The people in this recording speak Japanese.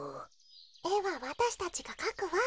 えはわたしたちがかくわ。